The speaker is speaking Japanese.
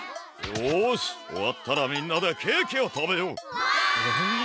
よしおわったらみんなでケーキをたべよう！わい！